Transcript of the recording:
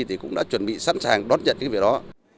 thì cũng đã chuẩn bị sẵn sàng đón nhận cái việc đó